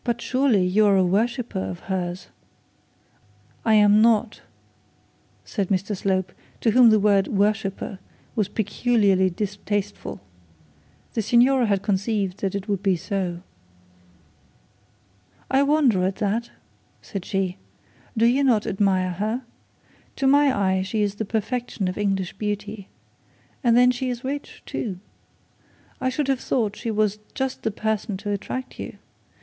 'But surely you are a worshipper of hers?' 'I am not,' said Mr Slope, to whom the word worshipper was peculiarly distasteful. The signora had conceived that it would be so. 'I wonder at that,' said she. 'Do you not admire her? To my eyes she is the perfection of English beauty. And then she is rich too. I should have thought she was just the person to attract you.